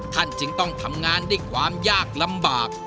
ท่านจึงต้องทำงานด้วยความยากลำบาก